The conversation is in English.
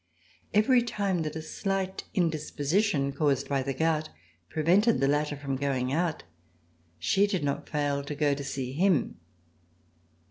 Every time that a slight indisposition, caused by the gout, prevented the latter from going out, she did not fail to go to see him.